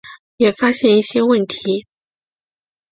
也发现一些问题